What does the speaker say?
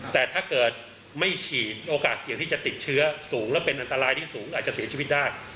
แต่ถ้าเกิดไม่ฉีดโอกาสเสี่ยงที่จะติดเชื้อสูงและเป็นอันตรายที่สูงอาจจะเสียชีวิตได้